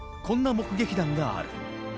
こんな目撃談がある。